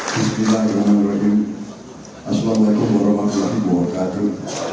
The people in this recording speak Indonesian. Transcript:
bismillahirrahmanirrahim assalamu alaikum warahmatullahi wabarakatuh